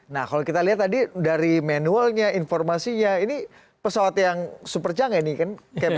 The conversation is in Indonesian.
nah kalau kita lihat tadi dari manualnya informasinya ini pesawat yang super cangeh ini kan